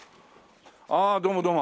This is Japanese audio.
ああどうもどうも。